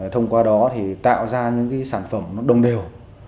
thông qua đó tạo ra những sản phẩm đồng đều